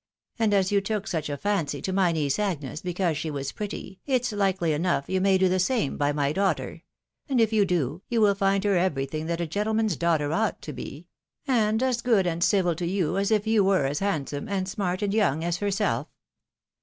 And as you took such a fancy to my niece Agnes, because she was pretty, it's likely enough you may do the same by my daughter ; and if you do, you will find her everything that a gentleman's daughter ought to be, — and as good and civil to you as if you were as handsome, and smart, and young as herself.